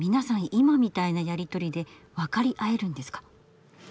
今みたいなやり取りで分かり合えるんですか？